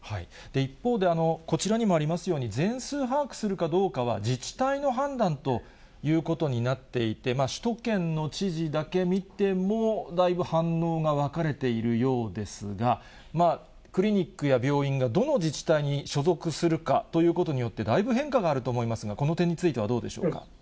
一方で、こちらにもありますように、全数把握するかどうかは自治体の判断ということになっていて、首都圏の知事だけ見ても、だいぶ反応が分かれているようですが、クリニックや病院がどの自治体に所属するかということによって、だいぶ変化があると思いますが、この点についてはどうでしょうか。